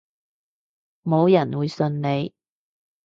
冇人會信你